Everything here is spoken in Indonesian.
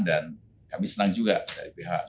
dan kami senang juga dari pihak